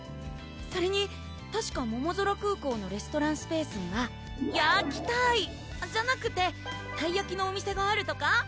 それにたしかももぞら空港のレストランスペースにはヤーキターイあっじゃなくてたいやきのお店があるとか？